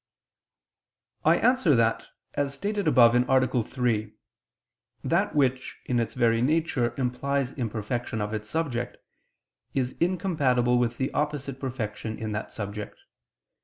I answer that, As stated above (A. 3), that which, in its very nature, implies imperfection of its subject, is incompatible with the opposite perfection in that subject.